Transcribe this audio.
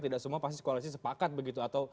tidak semua koalisi sepakat begitu